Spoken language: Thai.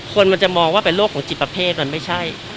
คนมันจะมองว่าเป็นโรคของจิตประเภทมันไม่ใช่